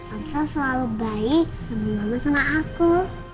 omsal selalu baik sama mama sama aku